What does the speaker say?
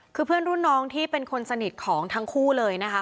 คือเพื่อนรุ่นน้องที่เป็นคนสนิทของทั้งคู่เลยนะคะ